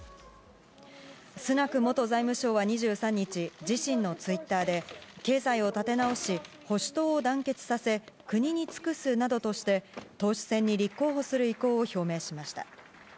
スナク元財務相は２３日、自身のツイッターで、経済を立て直し、保守党を団結させ、国に尽くすなどとして、党首選に立候補する意向を表明しました。